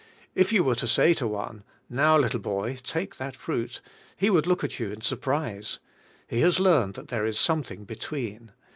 If you were to say to one, "Now, little boy, take that fruit," he would look at you in surprise. He has learned that there is something between.